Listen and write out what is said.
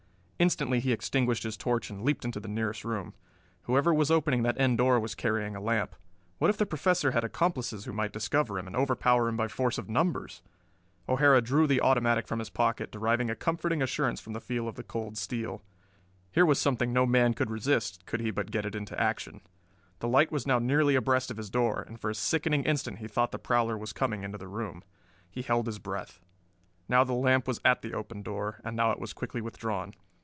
Instantly he extinguished his torch and leaped into the nearest room. Whoever was opening that end door was carrying a lamp. What if the Professor had accomplices who might discover him and overpower him by force of numbers! O'Hara drew the automatic from his pocket, deriving a comforting assurance from the feel of the cold steel. Here was something no man could resist could he but get it into action. The light was now nearly abreast of his door, and for a sickening instant he thought the prowler was coming into the room. He held his breath. Now the lamp was at the open door, and now it was quickly withdrawn.